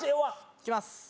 いきます。